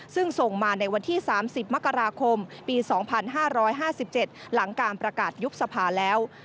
ซึ่งส่งมาในวันที่๓๐มกราคมปี๒๕๕๗หลังการประกาศยุบสภาแล้ว